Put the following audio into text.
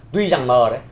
tuy rằng mờ đấy